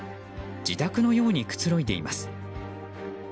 自宅のようにくつろいでいます。